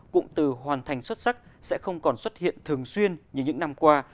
cụm từ hoàn thành xuất sắc sẽ không còn xuất hiện thường xuyên như những năm qua